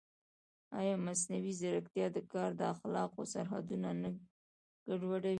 ایا مصنوعي ځیرکتیا د کار د اخلاقو سرحدونه نه ګډوډوي؟